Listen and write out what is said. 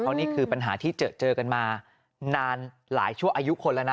เพราะนี่คือปัญหาที่เจอกันมานานหลายชั่วอายุคนแล้วนะ